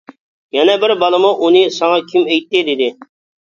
يەنە بىر بالىمۇ: ئۇنى ساڭا كىم ئېيتتى؟ -دېدى.